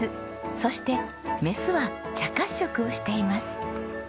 そしてメスは茶褐色をしています。